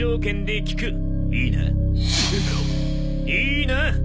いいな！？